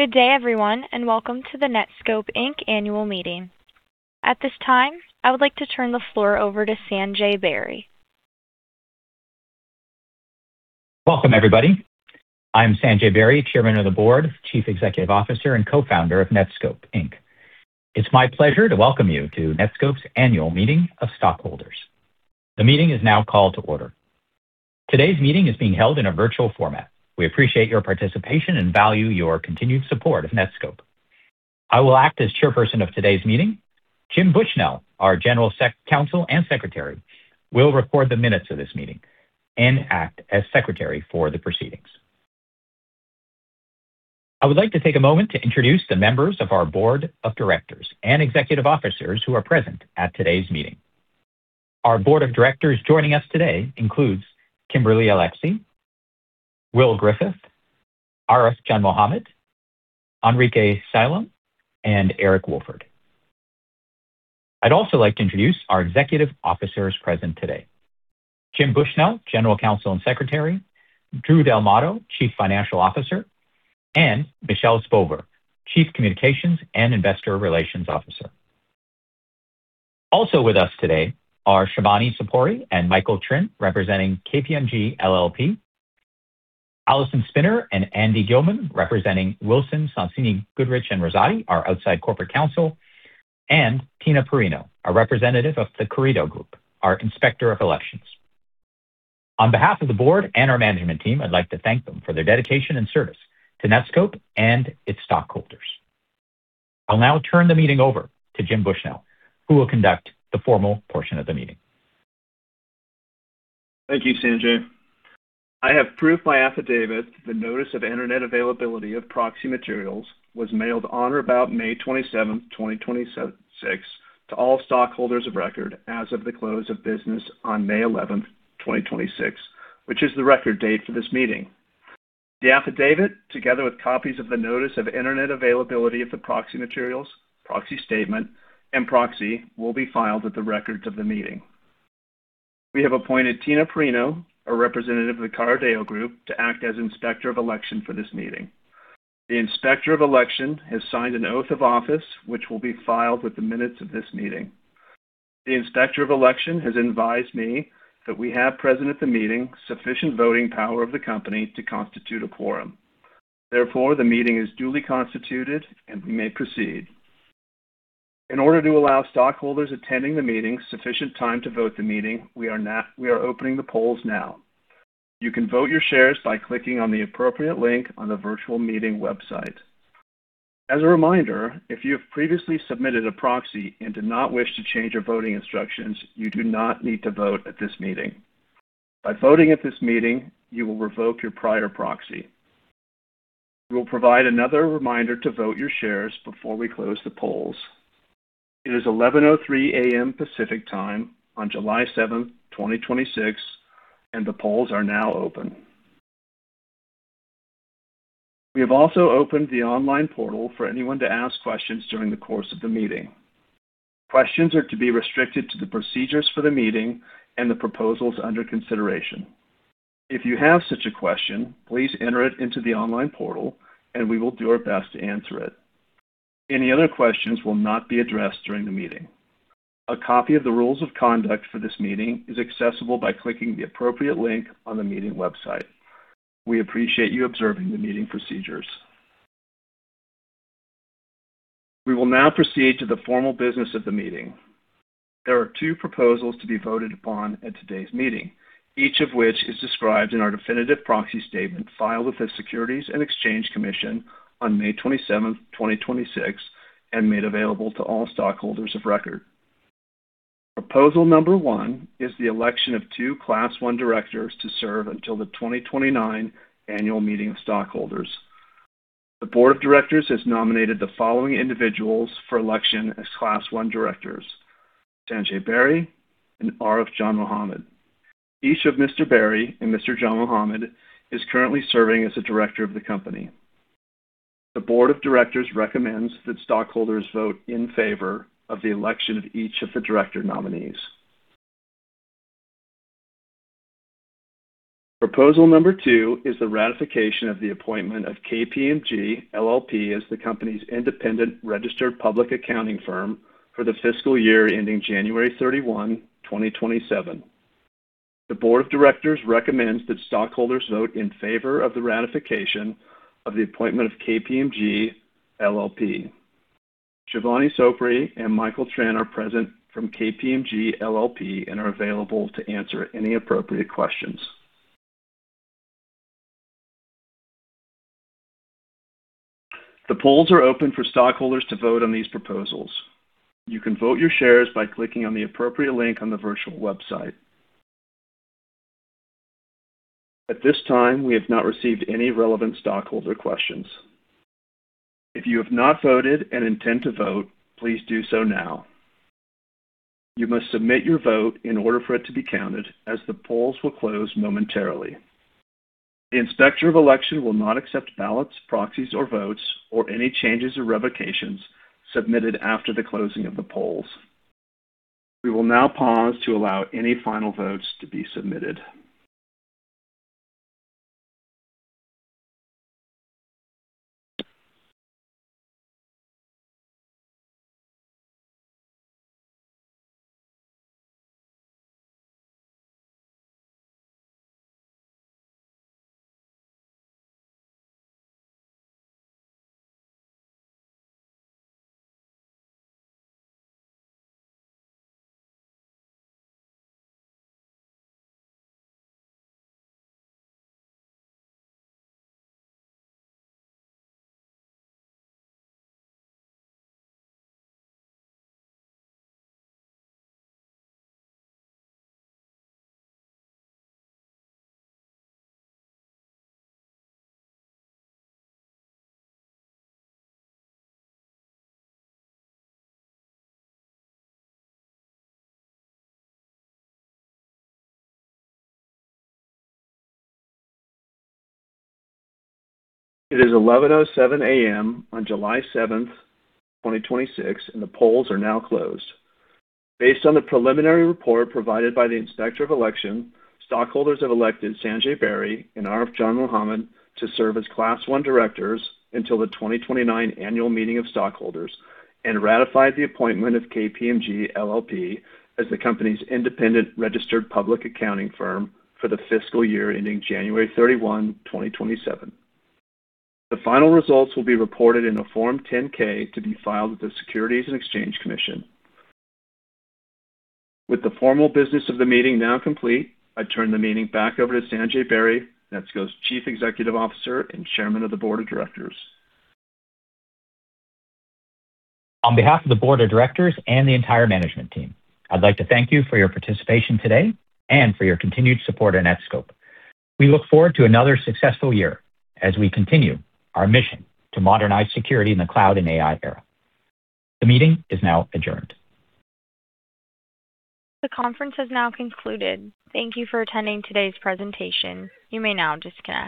Good day everyone, welcome to the Netskope Inc. Annual Meeting. At this time, I would like to turn the floor over to Sanjay Beri. Welcome everybody. I'm Sanjay Beri, Chairman of the Board, Chief Executive Officer, and Co-founder of Netskope Inc. It's my pleasure to welcome you to Netskope's Annual Meeting of Stockholders. The meeting is now called to order. Today's meeting is being held in a virtual format. We appreciate your participation and value your continued support of Netskope. I will act as Chairperson of today's meeting. Jim Bushnell, our General Counsel and Secretary, will record the minutes of this meeting and act as Secretary for the proceedings. I would like to take a moment to introduce the members of our Board of Directors and executive officers who are present at today's meeting. Our Board of Directors joining us today includes Kimberly Alexy, Will Griffith, Arif Janmohamed, Enrique Salem, and Eric Wolford. I'd also like to introduce our executive officers present today. Jim Bushnell, General Counsel and Secretary, Drew Del Matto, Chief Financial Officer, and Michelle Spolver, Chief Communications and Investor Relations Officer. Also with us today are Shivani Sopori and Michael Trinh representing KPMG LLP, Allison Spinner and Andy Gillman representing Wilson Sonsini Goodrich & Rosati, our outside corporate counsel, and Tina Perrino, a representative of the Carideo Group, our Inspector of Elections. On behalf of the Board and our management team, I'd like to thank them for their dedication and service to Netskope and its stockholders. I'll now turn the meeting over to Jim Bushnell, who will conduct the formal portion of the meeting. Thank you, Sanjay. I have proof by affidavit the notice of Internet availability of proxy materials was mailed on or about May 27th, 2026, to all stockholders of record as of the close of business on May 11th, 2026, which is the record date for this meeting. The affidavit, together with copies of the notice of Internet availability of the proxy materials, proxy statement, and proxy, will be filed with the records of the meeting. We have appointed Tina Perrino, a representative of the Carideo Group, to act as Inspector of Election for this meeting. The Inspector of Election has signed an oath of office which will be filed with the minutes of this meeting. The Inspector of Election has advised me that we have present at the meeting sufficient voting power of the company to constitute a quorum. Therefore, the meeting is duly constituted, and we may proceed. In order to allow stockholders attending the meeting sufficient time to vote the meeting, we are opening the polls now. You can vote your shares by clicking on the appropriate link on the virtual meeting website. As a reminder, if you have previously submitted a proxy and do not wish to change your voting instructions, you do not need to vote at this meeting. By voting at this meeting, you will revoke your prior proxy. We will provide another reminder to vote your shares before we close the polls. It is 11:03 A.M. Pacific Time on July seventh, 2026, and the polls are now open. We have also opened the online portal for anyone to ask questions during the course of the meeting. Questions are to be restricted to the procedures for the meeting and the proposals under consideration. If you have such a question, please enter it into the online portal and we will do our best to answer it. Any other questions will not be addressed during the meeting. A copy of the rules of conduct for this meeting is accessible by clicking the appropriate link on the meeting website. We appreciate you observing the meeting procedures. We will now proceed to the formal business of the meeting. There are two proposals to be voted upon at today's meeting, each of which is described in our definitive proxy statement filed with the Securities and Exchange Commission on May 27th, 2026, and made available to all stockholders of record. Proposal number one is the election of two Class I directors to serve until the 2029 annual meeting of stockholders. The board of directors has nominated the following individuals for election as Class I directors, Sanjay Beri and Arif Janmohamed. Each of Mr. Beri and Mr. Janmohamed is currently serving as a director of the company. The board of directors recommends that stockholders vote in favor of the election of each of the director nominees. Proposal number two is the ratification of the appointment of KPMG LLP as the company's independent registered public accounting firm for the fiscal year ending January 31, 2027. The board of directors recommends that stockholders vote in favor of the ratification of the appointment of KPMG LLP. Shivani Sopori and Michael Trinh are present from KPMG LLP and are available to answer any appropriate questions. The polls are open for stockholders to vote on these proposals. You can vote your shares by clicking on the appropriate link on the virtual website. At this time, we have not received any relevant stockholder questions. If you have not voted and intend to vote, please do so now. You must submit your vote in order for it to be counted as the polls will close momentarily. The Inspector of Election will not accept ballots, proxies, or votes, or any changes or revocations submitted after the closing of the polls. We will now pause to allow any final votes to be submitted. It is 11:07 A.M. on July 7th, 2026, and the polls are now closed. Based on the preliminary report provided by the Inspector of Election, stockholders have elected Sanjay Beri and Arif Janmohamed to serve as Class I directors until the 2029 annual meeting of stockholders, and ratified the appointment of KPMG LLP as the company's independent registered public accounting firm for the fiscal year ending January 31, 2027. The final results will be reported in a Form 8-K to be filed with the Securities and Exchange Commission. With the formal business of the meeting now complete, I turn the meeting back over to Sanjay Beri, Netskope's Chief Executive Officer and Chairman of the Board of Directors. On behalf of the board of directors and the entire management team, I'd like to thank you for your participation today and for your continued support in Netskope. We look forward to another successful year as we continue our mission to modernize security in the cloud and AI era. The meeting is now adjourned. The conference has now concluded. Thank you for attending today's presentation. You may now disconnect.